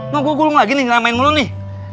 mau gue gulung lagi nih nyeramain mulu nih